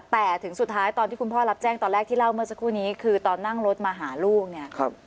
แต่ถึงสุดท้ายตอนที่คุณพ่อรับแจ้งตอนแรกที่เล่าเมื่อสักครู่นี้คือตอนนั่งรถมาหาลูกเนี่ย